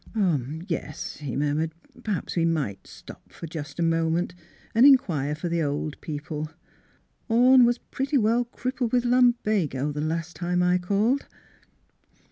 '' Ah, yes, '' he murmured. *'— Er — perhaps we might stop for just a moment, and inquire for the old people. Orne was pretty well crippled with lumbago the last time I called."